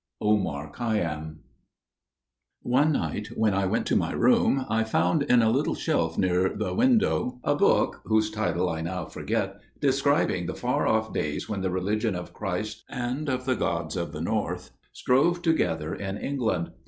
Omar Khayyam. The Blood Eagle ONE night when I went to my room I found in a little shelf near the window a book, whose title I now forget, describing the far off days when the religion of Christ and of the gods of the north strove together in England.